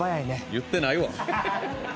言ってないわ。